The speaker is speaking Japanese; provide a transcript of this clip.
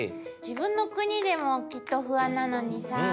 自分の国でもきっと不安なのにさあ。